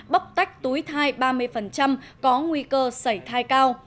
bóc tách túi thai ba mươi có nguy cơ xảy thai cao